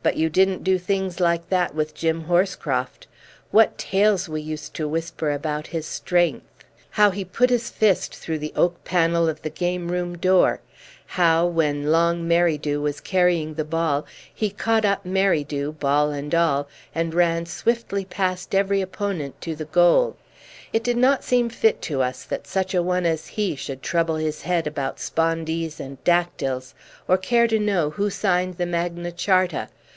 But you didn't do things like that with Jim Horscroft. What tales we used to whisper about his strength! How he put his fist through the oak panel of the game room door; how, when Long Merridew was carrying the ball, he caught up Merridew, ball and all, and ran swiftly past every opponent to the goal. It did not seem fit to us that such a one as he should trouble his head about spondees and dactyls, or care to know who signed the Magna Charta.